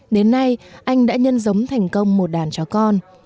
đến nay anh đã nhân giống thành công một đàn chó con